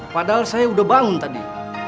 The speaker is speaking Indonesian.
padahal saya sudah bangun tadi